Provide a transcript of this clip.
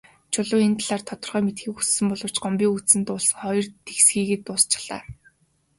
Чулуун энэ талаар тодорхой мэдэхийг хүссэн боловч Гомбын үзсэн дуулсан хоёр тэгсхийгээд дуусчихлаа.